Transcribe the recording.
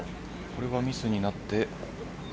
これはミスになって。